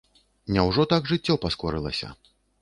Няўжо так жыццё паскорылася?